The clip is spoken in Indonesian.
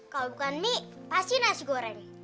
kalau bukan mie pasti nasi goreng